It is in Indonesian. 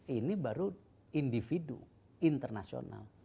ini baru individu internasional